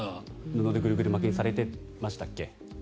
布でぐるぐる巻きにされてましたっけ？